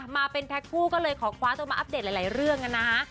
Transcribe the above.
มาเป็นแพ็คคู่ก็เลยขอคว้าตัวมาอัปเดตหลายเรื่องนะฮะ